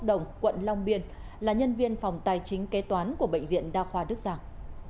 đồng quận long biên là nhân viên phòng tài chính kế toán của bệnh viện đa khoa đức giảng